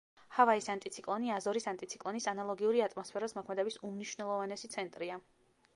ჰავაის ანტიციკლონი აზორის ანტიციკლონის ანალოგიური ატმოსფეროს მოქმედების უმნიშვნელოვანესი ცენტრია.